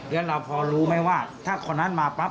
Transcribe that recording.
แล้วเราพอรู้ไหมว่าถ้าคนนั้นมาปั๊บ